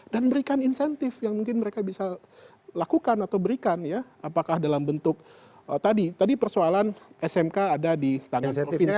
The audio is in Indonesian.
dan berikan insentif yang mungkin mereka bisa lakukan atau berikan ya apakah dalam bentuk tadi tadi persoalan smk ada di tangan provinsi